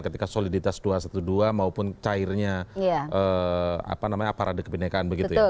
ketika soliditas dua satu dua maupun cairnya apa namanya para kebhinnekaan begitu ya